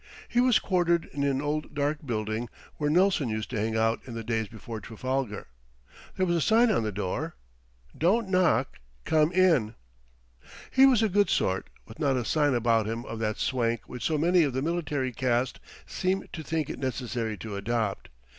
He was quartered in an old dark building where Nelson used to hang out in the days before Trafalgar. There was a sign on the door: DON'T KNOCK. COME IN He was a good sort, with not a sign about him of that swank which so many of the military caste seem to think it necessary to adopt.